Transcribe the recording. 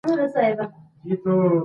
حماسي جذبات یې پاته سول